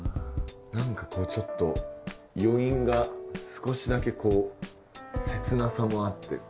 何かこうちょっと余韻が少しだけこう切なさもあって。